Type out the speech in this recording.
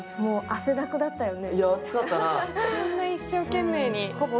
汗だくだったよね。